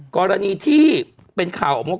กรณีที่เป็นข่าวออกมา